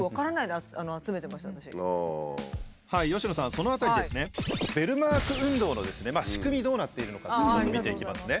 その辺りですねベルマーク運動の仕組みどうなっているのかというのを見ていきますね。